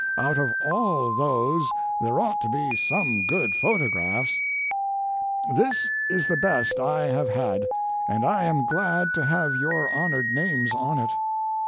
Out of all those there ought to be some good photographs. This is the best I have had, and I am glad to have your honored names on it.